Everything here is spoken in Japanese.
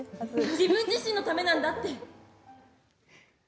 自分自身のためなんだって。